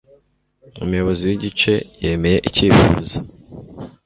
Umuyobozi w'igice yemeye icyifuzo.